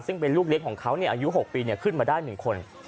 ซึ่งเป็นลูกเลี้ยงของเขาอายุ๖ปีขึ้นมาได้๑คน